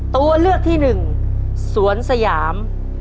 ตัวเลือกที่๑สวนสยาม